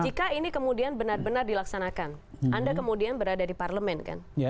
jika ini kemudian benar benar dilaksanakan anda kemudian berada di parlemen kan